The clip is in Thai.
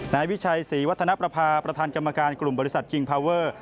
นายวิชัยศรีวัฒนประพาประธานกรรมการกลุ่มบริษัทคิงพาวเวอร์